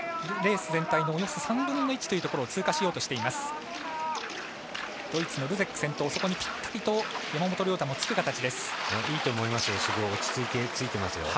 レース全体のおよそ３分の１というところを通過しようとしています。